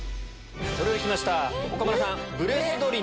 お料理きました岡村さん。